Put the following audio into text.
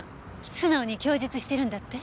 素直に供述してるんだって？